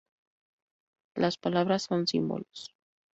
Las palabras son símbolos.